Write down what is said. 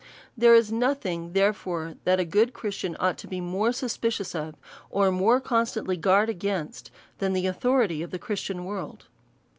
There is nothing, therefore, that a .good Christian ought to be more suspicious of, or more constantly guard against, than the authority of the Christian world.